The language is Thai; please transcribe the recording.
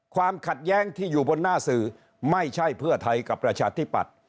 ความขัดแย้งที่อยู่บนหน้าสื่อไม่ใช่เพื่อไทยกับประชาธิปัตย์